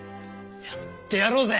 やってやろうぜ！